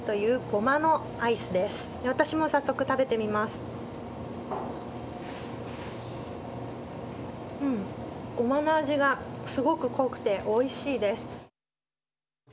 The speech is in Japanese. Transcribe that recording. ごまの味がすごく濃くておいしいです。